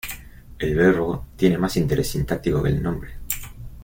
El verbo tiene más interés sintáctico que el nombre.